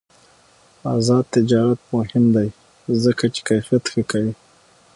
آزاد تجارت مهم دی ځکه چې کیفیت ښه کوي.